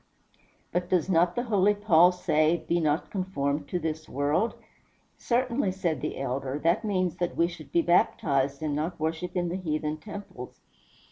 "But does not the holy Paul say, 'Be not conformed to this world'?" "Certainly," said the elder; "that means that we should be baptized, and not worship in the heathen temples."